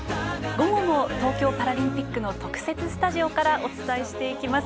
午後も東京パラリンピックの特設スタジオからお伝えしていきます。